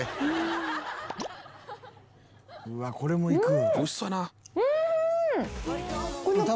うわこれもいく。